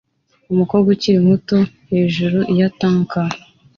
Umukobwa ukiri muto hejuru ya tank